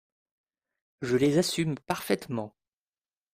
Je les assume parfaitement.